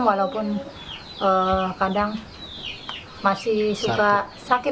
walaupun kita tidak bisa mencari film yang diangkat dari kisah nyata